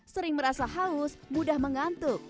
sering merasa haus mudah mengantuk